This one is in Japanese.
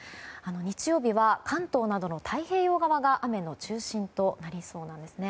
日曜日は関東などの太平洋側が雨の中心となりそうです。